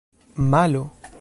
malo